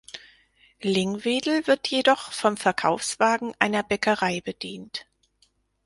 Lingwedel wird jedoch vom Verkaufswagen einer Bäckerei bedient.